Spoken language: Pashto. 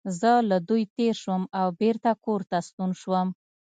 زه له دوی تېر شوم او بېرته کور ته ستون شوم.